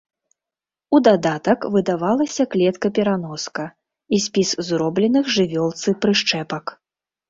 У дадатак выдавалася клетка-пераноска і спіс зробленых жывёлцы прышчэпак.